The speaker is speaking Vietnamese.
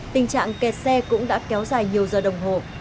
tình trạng kẹt xe cũng đã kéo dài nhiều giờ đồng hồ